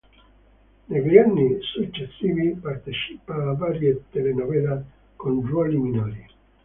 Negli anni successivi partecipa a varie telenovelas con ruoli minori.